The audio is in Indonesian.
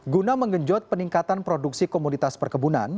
guna menggenjot peningkatan produksi komunitas perkebunan